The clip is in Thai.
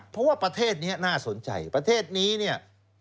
เพราะว่าประเทศนี้น่าสนใจประเทศนี้เนี่ย